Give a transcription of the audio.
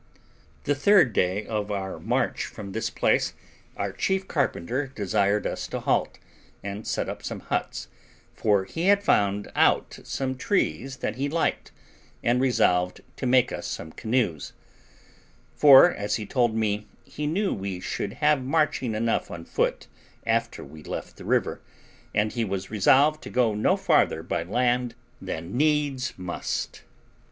The third day of our march from this place our chief carpenter desired us to halt, and set up some huts, for he had found out some trees that he liked, and resolved to make us some canoes; for, as he told me, he knew we should have marching enough on foot after we left the river, and he was resolved to go no farther by land than needs must.